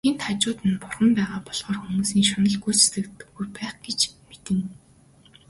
Нэгэнт хажууд нь Бурхан байгаа болохоор хүмүүсийн шунал гүйцэгддэггүй байж гэнэ.